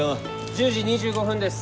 １０時２５分です。